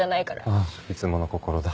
ああいつものこころだ。